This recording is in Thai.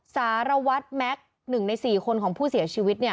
สารวัตรแม็กซ์๑ใน๔คนของผู้เสียชีวิต